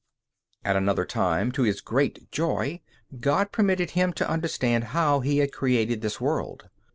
At another time, to his great joy, God permitted him to understand how He had created this world.